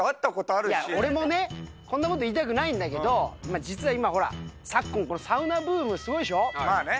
俺もね、こんなこと言いたくないんだけど、実は今、ほら、昨今、サウナブーまあね。